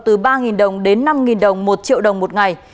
từ ba đồng đến năm đồng một triệu đồng một ngày